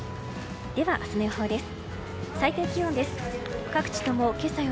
では、明日の予報です。